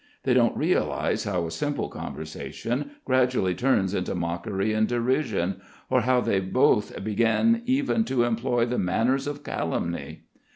They don't realise how a simple conversation gradually turns into mockery and derision, or how they both begin even to employ the manners of calumny.